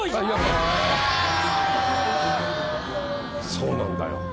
そうなんだよ。